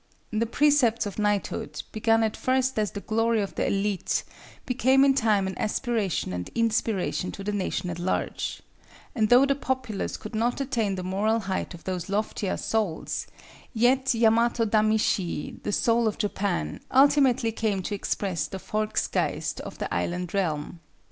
The Precepts of Knighthood, begun at first as the glory of the élite, became in time an aspiration and inspiration to the nation at large; and though the populace could not attain the moral height of those loftier souls, yet Yamato Damashii, the Soul of Japan, ultimately came to express the Volksgeist of the Island Realm.